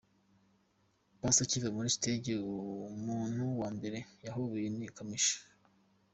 Paccy akiva kuri stage, umuntu wa mbere yahobeye ni Kamichi.